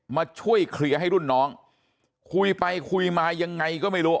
มาช่วยเคลียร์ให้รุ่นน้องคุยไปคุยมายังไงก็ไม่รู้